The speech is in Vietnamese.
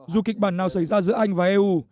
dù kịch bản nào xảy ra giữa anh và eu